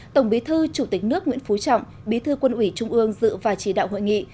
tổng bí thư chủ tịch nước nguyễn phú trọng bí thư quân ủy trung ương dự và chỉ đạo hội nghị